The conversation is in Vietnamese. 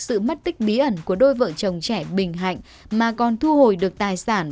sự mất tích bí ẩn của đôi vợ chồng trẻ bình hạnh mà còn thu hồi được tài sản